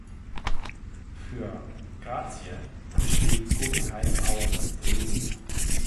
Für "Gracie" schrieb Guggenheim auch das Drehbuch.